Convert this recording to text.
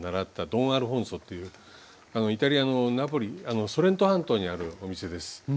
ドン・アルフォンソというイタリアのナポリソレント半島にあるお店です。